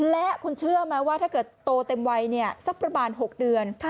และคุณเชื่อไหมว่าถ้าเกิดโตเต็มวัยสักประมาณ๖เดือน